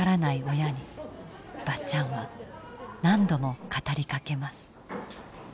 親にばっちゃんは何度も語りかけます。